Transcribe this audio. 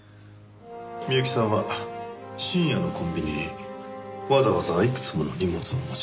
美由紀さんは深夜のコンビニにわざわざいくつもの荷物を持ち込んだ。